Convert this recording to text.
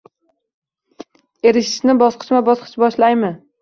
Erishishni bosqichma-bosqich boshlaymi.